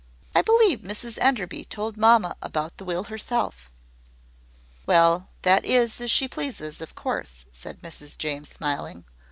"I believe Mrs Enderby told mamma that about the will herself." "Well, that is as she pleases, of course," said Mrs James, smiling.